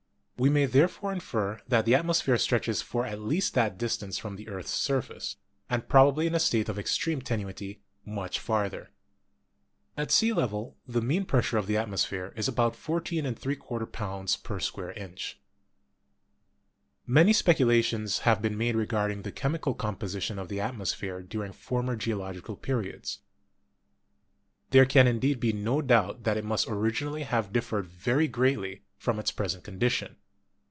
We may therefore infer that the atmosphere stretches for at least that dis tance from the earth's surface, and probably in a state of extreme tenuity much farther. At sea level the mean pressure of the atmosphere is about 14^ pounds per square inch." Many speculations have been made regarding the chem ical composition of the atmosphere during former geo logical periods. There can indeed be no doubt that it must originally have differed very greatly from its pres ent condition.